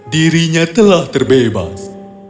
dirinya telah terbebas